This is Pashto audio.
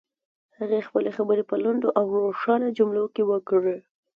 هغه خپلې خبرې په لنډو او روښانه جملو کې وکړې.